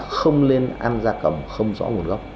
không lên ăn gia cầm không rõ nguồn gốc